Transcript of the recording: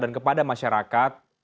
dan kepada masyarakat